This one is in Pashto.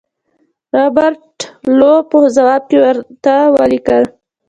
رابرټ لو په ځواب کې ورته ولیکل.